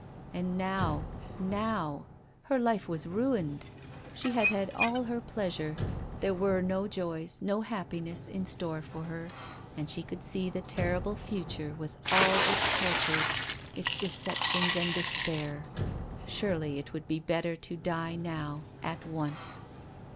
And now, now ! Her A WOMAN'S LIFE. 107 life was ruined ; she had had all her pleasure ; there were no joys, no happiness, in store for her ; and she could see the terrible future with all its tortures, its deceptions, and despair. Surely it would be better to die now, at once.